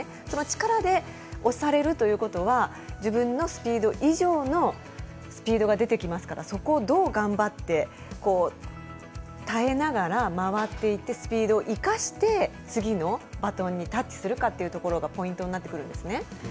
その力で、押されるということは自分のスピード以上のスピードが出てきますからそこを、どう頑張って耐えながら回っていってスピードを生かして、次のバトンにタッチするかというところがポイントになってくるんですね。